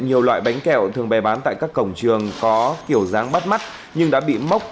nhiều loại bánh kẹo thường bè bán tại các cổng trường có kiểu dáng bắt mắt nhưng đã bị mốc